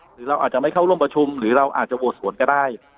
หรือเราอาจจะไม่เข้าร่วมประชุมหรือเราอาจจะโหวตสวนก็ได้